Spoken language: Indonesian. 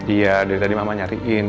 iya dari tadi mama nyariin